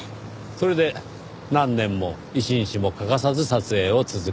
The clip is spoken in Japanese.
それで何年も１日も欠かさず撮影を続けている。